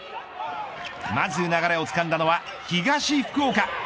まず流れをつかんだのは東福岡。